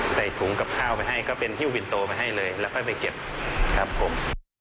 ใส่ถุงกับข้าวไปให้ก็เป็นฮิ้ววินโตไปให้เลยแล้วค่อยไปเก็บครับผม